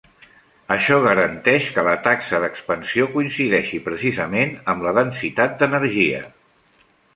Això garanteix que la taxa d'expansió coincideixi precisament amb la densitat d'energia.